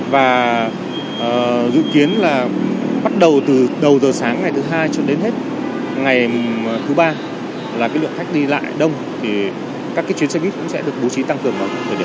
và dự kiến là bắt đầu từ đầu giờ sáng ngày thứ hai cho đến hết ngày thứ ba là cái lượng khách đi lại đông thì các cái chuyến xe buýt cũng sẽ được bố trí tăng cường